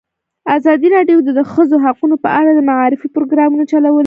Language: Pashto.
ازادي راډیو د د ښځو حقونه په اړه د معارفې پروګرامونه چلولي.